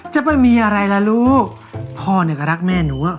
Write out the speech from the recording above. จะไปมีอะไรล่ะลูกพ่อเนี่ยก็รักแม่หนูอ่ะ